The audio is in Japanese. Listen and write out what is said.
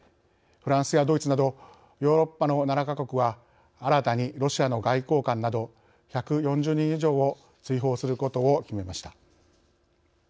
フランスやドイツなどヨーロッパの７か国は新たにロシアの外交官など１４０人以上を追放することを決めました。